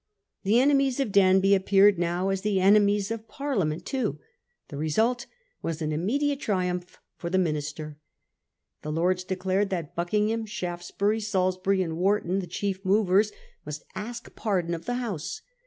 The enemies of Danby appeared now as the enemies of Parliament too. The result was an immediate Danby's triumph for the minister. The Lords declared successes. that Buckingham, Shaftesbury, Salisbury, and Wharton, the chief movers, must ask pardon of the House.